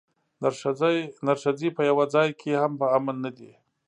نرښځي په یوه ځای کې هم په امن نه دي.